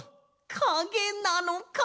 かげなのか。